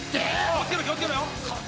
気を付けろ気を付けろよ。